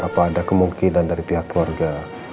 apa ada kemungkinan dari pihak keluarga